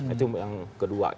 itu yang kedua